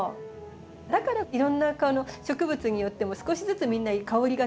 だからいろんな植物によっても少しずつみんな香りが違うよね